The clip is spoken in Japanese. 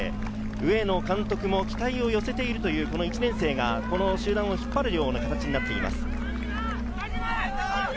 上野監督も期待を寄せているという１年生が、この集団を引っ張るような形になっています。